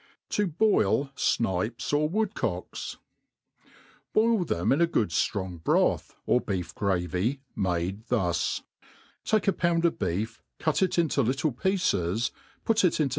7i Ml Snipus 9ir WoodoKks. BOIL them in goodftrongbroth, or beef gravy made thus : iake a^pounf] of beef, cut.it into little pieces, put it into